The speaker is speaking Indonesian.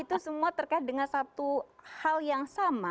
itu semua terkait dengan satu hal yang sama